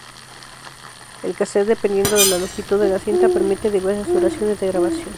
El casete, dependiendo de la longitud de la cinta, permite diversas duraciones de grabación.